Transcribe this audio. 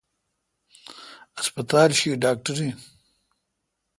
ہسپتال شی ڈاکٹر این آ?